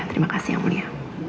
terima kasih yang mulia